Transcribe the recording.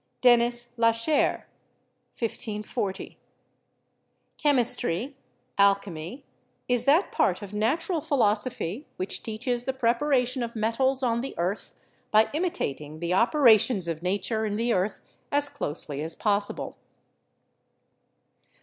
Denis Lachaire (1540 [?]). "Chemistry (al chemy) is that part of natural philosophy which teaches the preparation of metals on the earth by imi tating the operations of Nature in the earth as closely as possible."